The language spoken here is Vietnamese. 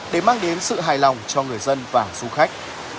để mang đến sự hài lòng cho người dân và du khách